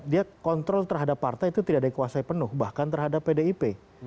dia kontrol terhadap partai itu tidak dikuasai penuh bahkan terhadap pdip